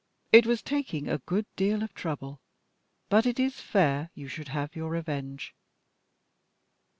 It was taking a good deal of trouble, but it is fair you should have your revenge."